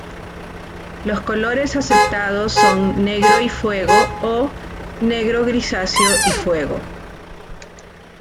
Los colores aceptados son negro y fuego, o negro-grisáceo y fuego.